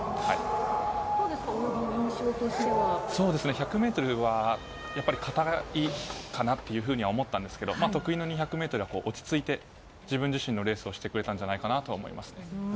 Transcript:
１００メートルはやっぱり堅いかなっていうふうには思ったんですけど、得意の２００メートルは落ち着いて、自分自身のレースをしてくれたんじゃないかなとは思いますね。